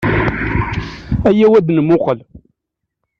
Ayaw ad nmuqel.